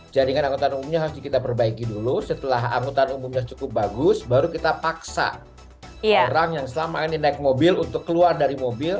jaringan angkutan umumnya harus kita perbaiki dulu setelah angkutan umumnya cukup bagus baru kita paksa orang yang selama ini naik mobil untuk keluar dari mobil